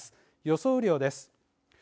予想雨量です。